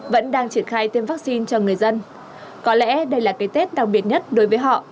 vẫn đang triển khai tiêm vaccine cho người dân có lẽ đây là cái tết đặc biệt nhất đối với họ